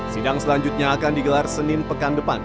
sidang selanjutnya akan digelar senin pekan depan